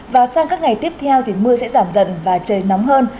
và sang các ngày tiếp theo thì mưa sẽ giảm dần và trời nóng hơn